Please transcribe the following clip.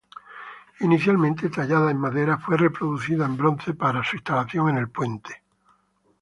Inicialmente tallada en madera, fue reproducida en bronce para su instalación en el puente.